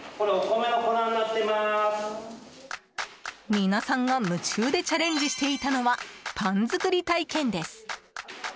皆さんが夢中でチャレンジしていたのはパン作り体験です。